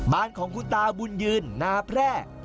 บ้านของคุณตาบุญยืนนาแพร่